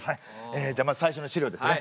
えじゃあまず最初の資料ですね。